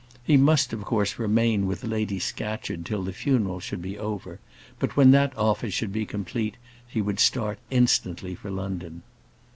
He must, of course, remain with Lady Scatcherd till the funeral should be over; but when that office should be complete, he would start instantly for London.